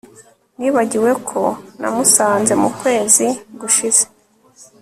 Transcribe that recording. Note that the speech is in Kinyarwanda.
Nibagiwe ko namusanze mukwezi gushize